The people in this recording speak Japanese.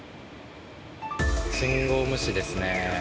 信号無視ですね。